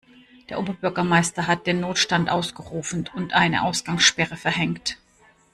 Der Oberbürgermeister hat den Notstand ausgerufen und eine Ausgangssperre verhängt.